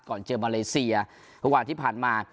ก่อนเจอมาเลเซียทุกวันที่ผ่านมา